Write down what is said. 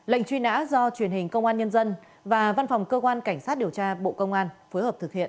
lệnh truy nã do truyền hình công an nhân dân và văn phòng cơ quan cảnh sát điều tra bộ công an phối hợp thực hiện